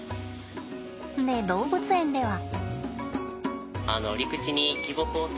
で動物園では。